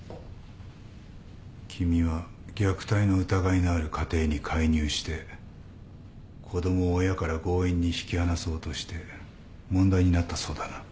君は虐待の疑いのある家庭に介入して子供を親から強引に引き離そうとして問題になったそうだな。